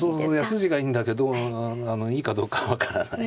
筋がいいんだけどいいかどうかは分からない。